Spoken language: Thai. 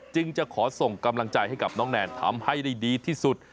จึงจะขอส่งกำลังใจให้กับน้องแนนทำให้ได้ดีที่สุด